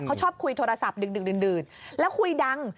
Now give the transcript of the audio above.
เขาชอบคุยโทรศัพท์ดึกดื่นแล้วคุยดัง